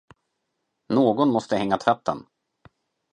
Någon måste hänga tvätten.